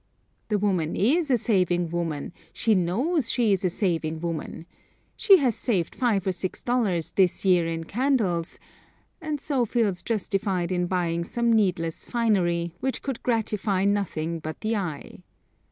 The woman is a saving woman, she knows she is a saving woman. She has saved five or six dollars this year in candles, and so feels justified in buying some needless finery, which could gratify nothing but the eye.